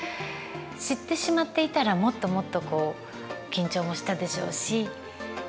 知ってしまっていたらもっともっとこう緊張もしたでしょうし。